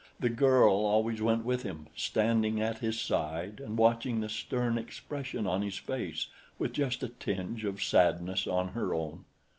The girl always went with him, standing at his side and watching the stern expression on his face with just a tinge of sadness on her own.